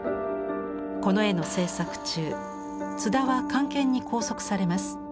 この絵の制作中津田は官憲に拘束されます。